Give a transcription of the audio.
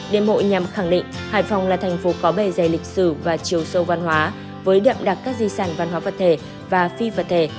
đêm hội nhằm khẳng định hải phòng là thành phố có bề dày lịch sử và chiều sâu văn hóa với đậm đặc các di sản văn hóa vật thể và phi vật thể